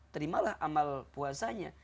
terimalah amal puasanya